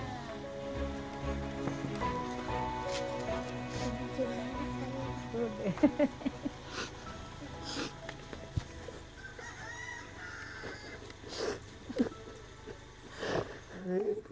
terima kasih pak